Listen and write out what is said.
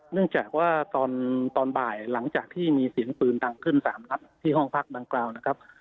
เนื่องจากว่าตอนบ่ายหลังจากที่มีเสียงปืนดังขึ้น๓นัดที่ห้องพักดังกล่าวนะครับ